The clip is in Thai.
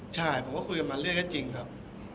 ใช่ผมก็คุยกันมาเรื่อยก็จริงครับ